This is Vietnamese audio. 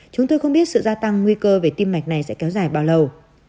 chúng tôi không biết sự gia tăng nguy cơ về tim mạch này sẽ kéo dài bao lâu